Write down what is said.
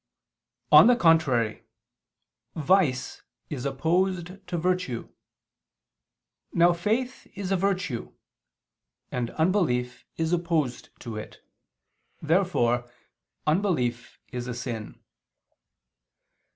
On the contrary, Vice is opposed to virtue. Now faith is a virtue, and unbelief is opposed to it. Therefore unbelief is a sin.